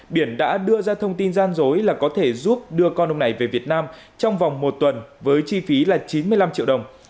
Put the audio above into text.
biển đã đưa ra thông tin gian dối là có thể giúp đưa con ông này về việt nam trong vòng một tuần với chi phí là chín mươi năm triệu đồng